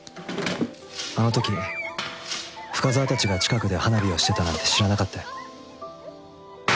あの時深沢たちが近くで花火をしてたなんて知らなかったよ。